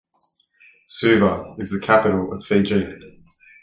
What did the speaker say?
Suva is the capital of Fiji.